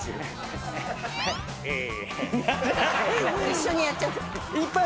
一緒にやっちゃった。